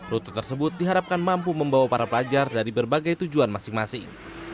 rute tersebut diharapkan mampu membawa para pelajar dari berbagai tujuan masing masing